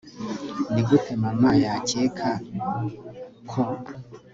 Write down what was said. nigute mama yakeka?ko